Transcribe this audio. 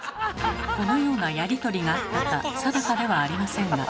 このようなやり取りがあったか定かではありませんが。